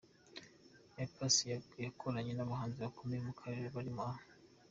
A Pass yakoranye n’abahanzi bakomeye mu karere barimo A.